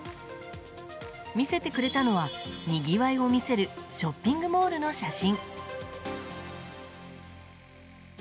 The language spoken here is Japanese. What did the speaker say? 見せてくれたのはにぎわいを見せるショッピングモールの写真。